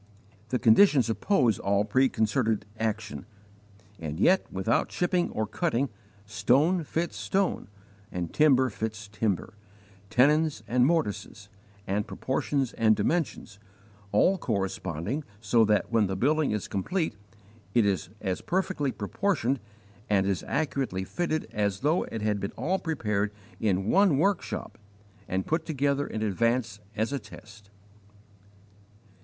The conditions oppose all preconcerted action, and yet, without chipping or cutting, stone fits stone, and timber fits timber tenons and mortises, and proportions and dimensions, all corresponding so that when the building is complete it is as perfectly proportioned and as accurately fitted as though it had been all prepared in one workshop and put together in advance as a test.